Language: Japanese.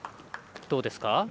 どうですか？